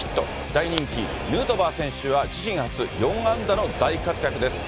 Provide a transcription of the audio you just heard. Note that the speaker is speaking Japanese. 大人気、ヌートバー選手は自身初４安打の大活躍です。